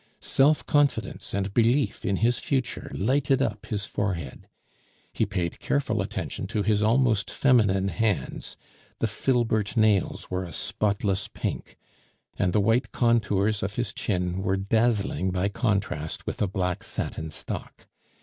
Self confidence and belief in his future lighted up his forehead. He paid careful attention to his almost feminine hands, the filbert nails were a spotless pink, and the white contours of his chin were dazzling by contrast with a black satin stock.